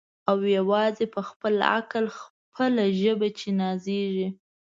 او یوازي په خپل عقل خپله ژبه چي نازیږي